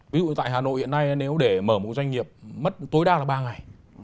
ví dụ tại hà nội hiện nay nếu để mở một doanh nghiệp mất tối đa là ba ngày